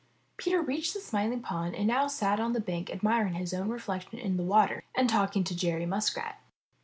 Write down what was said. Peter reached the Smiling Pool and now sat on the bank admiring his own reflection in the water and talking to Jerry Muskrat.